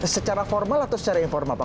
secara formal atau secara informal pak